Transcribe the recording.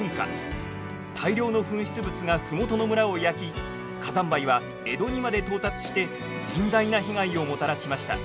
大量の噴出物が麓の村を焼き火山灰は江戸にまで到達して甚大な被害をもたらしました。